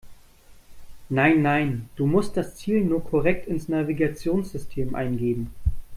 Nein, nein, du musst das Ziel nur korrekt ins Navigationssystem eingeben.